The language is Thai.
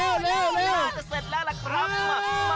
ทีนี้เรียกรุงมากกว่า๓เมื่อกี้ล่ะล่ะครับ